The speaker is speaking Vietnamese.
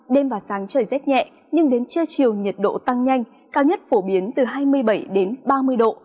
đêm và sáng trời rét nhẹ nhưng đến trưa chiều nhiệt độ tăng nhanh cao nhất phổ biến từ hai mươi bảy đến ba mươi độ